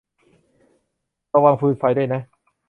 ระวังฟืนไฟด้วยนะ